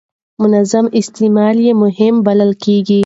منظم استعمال یې مهم بلل کېږي.